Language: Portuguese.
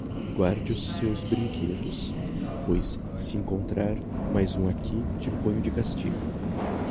Guarde os seus brinquedos, pois se encontrar mais um aqui te ponho de castigo.